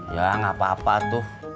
ya nggak apa apa tuh